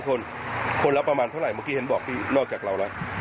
คนคนละประมาณเท่าไหร่เมื่อกี้เห็นบอกพี่นอกจากเราแล้ว